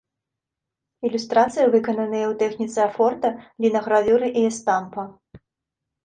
Ілюстрацыі выкананыя ў тэхніцы афорта, лінагравюры і эстампа.